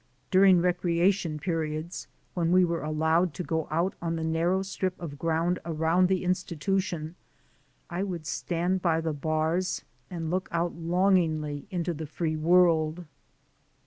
During recreation periods when we were allowed to go out on the narrow strip of ground around the institution, I would stand by the bars and look out longingly into the free world.